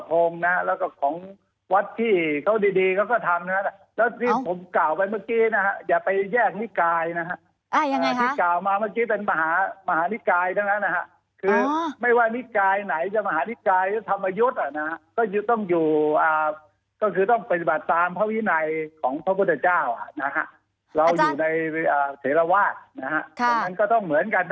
ของหลวงปะพงษ์แล้วก็ของ